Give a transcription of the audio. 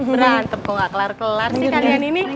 berantem kok gak kelar kelar sih kalian ini